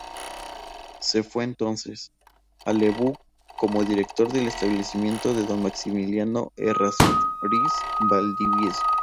Se fue entonces, a Lebu, como director del establecimiento de don Maximiano Errázuriz Valdivieso.